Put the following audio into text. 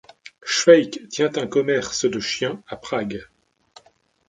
Schweyk tient un commerce de chiens à Prague.